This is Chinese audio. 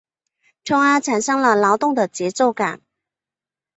从而产生了劳动的节奏感。